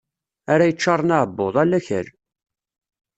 Ara yeččaṛen aɛebbuḍ, ala akal.